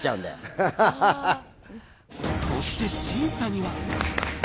そして審査には。